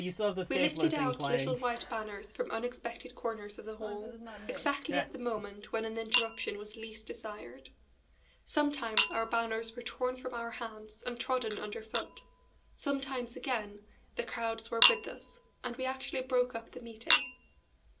We lifted out little white banners from unexpected corners of the hall, exactly at the moment when an interruption was least desired. Sometimes our banners were torn from our hands and trodden under foot. Sometimes, again, the crowds were with us, and we actually broke up the meeting.